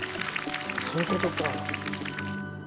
そういうことか。